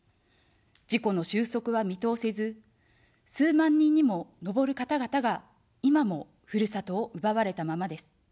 事故の収束は見通せず、数万人にものぼる方々が今もふるさとを奪われたままです。